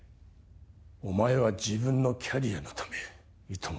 お前は自分のキャリアのためいとも